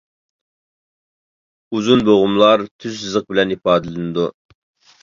ئۇزۇن بوغۇملار تۈز سىزىق «-» بىلەن ئىپادىلىنىدۇ.